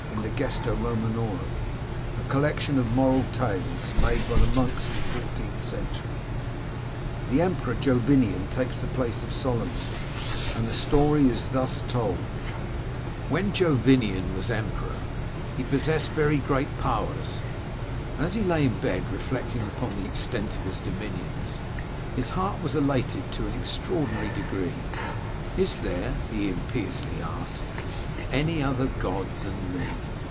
In the Gesta Romanorum^ a collection of moral tales made by the monks in the fourteenth century, the Emperor Jovinian takes the place of Solomon, and the story is thus told :—When Jovinian was emperor, he possessed very great powers ; and as he lay in bed reflecting upon the extent of his dominions, his heart was elated to an extraordinary degree. * Is there,' he impiously asked, *any other god than me?'